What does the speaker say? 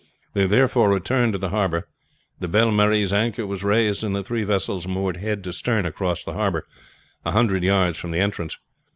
They therefore returned into the harbor. The Belle Marie's anchor was raised, and the three vessels moored head and stern across the harbor, a hundred yards from the entrance.